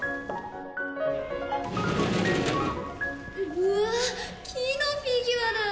うわ木のフィギュアだ。